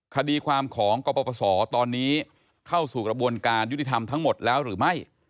คดีความของกรปศตอนนี้เข้าสู่กระบวนการยุติธรรมทั้งหมดแล้วหรือไม่